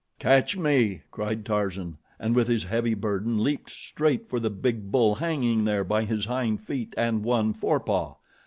"Catch me!" cried Tarzan, and with his heavy burden leaped straight for the big bull hanging there by his hind feet and one forepaw.